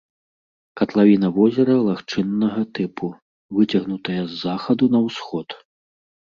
Катлавіна возера лагчыннага тыпу, выцягнутая з захаду на ўсход.